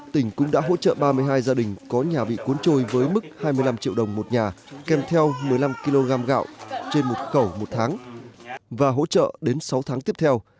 tỉnh cũng đã hỗ trợ ba mươi hai gia đình có nhà bị cuốn trôi với mức hai mươi năm triệu đồng một nhà kèm theo một mươi năm kg gạo trên một khẩu một tháng và hỗ trợ đến sáu tháng tiếp theo